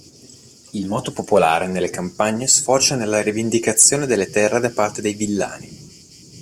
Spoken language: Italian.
Il moto popolare nelle campagne sfocia nella rivendicazione delle terre da parte dei “villani”.